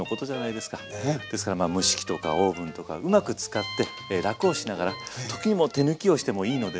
ですからまあ蒸し器とかオーブンとかうまく使って楽をしながら時にもう手抜きをしてもいいのでね